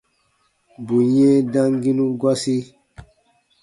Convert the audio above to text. Bù yɛ̃ɛ damginu gɔsi.